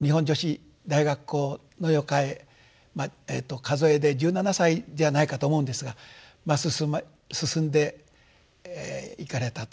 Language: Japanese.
日本女子大学校の予科へ数えで１７歳ではないかと思うんですが進んで行かれたと進まれたということ。